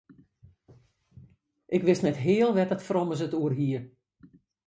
Ik wist net heal wêr't it frommes it oer hie.